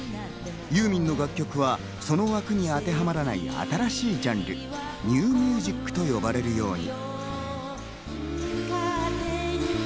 ユーミンの楽曲は、その枠に当てはまらない新しいジャンル、ニューミュージックと呼ばれるように。